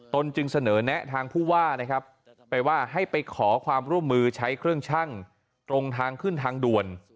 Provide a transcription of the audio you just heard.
จึงเสนอแนะทางผู้ว่านะครับไปว่าให้ไปขอความร่วมมือใช้เครื่องชั่งตรงทางขึ้นทางด่วน